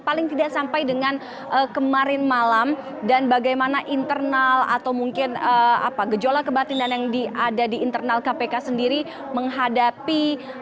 paling tidak sampai dengan kemarin malam dan bagaimana internal atau mungkin gejolak kebatinan yang ada di internal kpk sendiri menghadapi